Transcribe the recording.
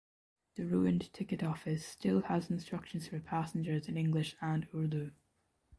The ruined ticket office still has instructions for passengers in English and Urdu.